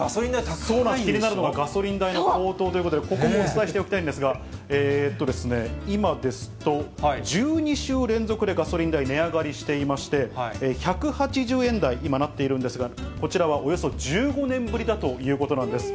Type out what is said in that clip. ガソリン代の高騰ということで、ここもお伝えしておきたいんですが、今ですと、１２週連続でガソリン代、値上がりしていまして、１８０円台、今、なっているんですが、こちらはおよそ１５年ぶりだということなんです。